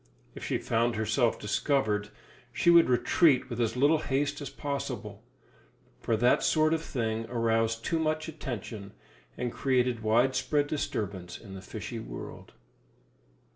If she found herself discovered, she would retreat with as little haste as possible; for that sort of thing aroused too much attention, and created widespread disturbance in the fishy world.